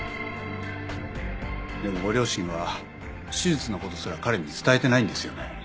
でもご両親は手術のことすら彼に伝えてないんですよね？